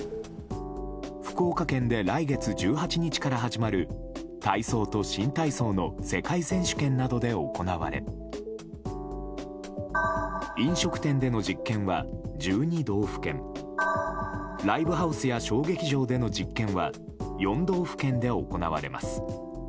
福岡県で来月１８日から始まる体操と新体操の世界選手権などで行われ飲食店での実験は１２道府県ライブハウスや小劇場での実験は４道府県で行われます。